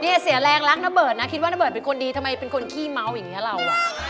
เสียแรงรักนเบิร์ตนะคิดว่านเบิร์ดเป็นคนดีทำไมเป็นคนขี้เมาส์อย่างนี้เราอ่ะ